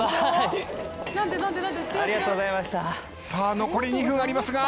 さあ残り２分ありますが。